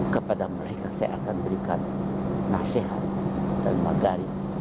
kepada mereka saya akan berikan nasihat dan magari